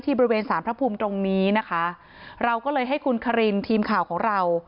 บริเวณสารพระภูมิตรงนี้นะคะเราก็เลยให้คุณคารินทีมข่าวของเรา